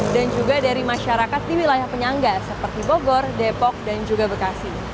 dan juga dari masyarakat di wilayah penyangga seperti bogor depok dan juga bekasi